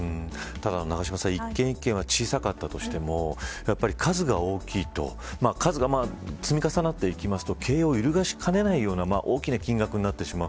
ただ永島さん１件１件は小さくてもやっぱり数が大きいと数が積み重なっていきますと経営を揺るがしかねないような大きな金額になってしまう。